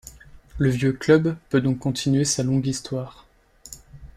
Le vieux club peut donc continuer sa longue Histoire.